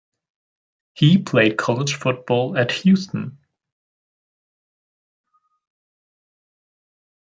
He played college football at Houston.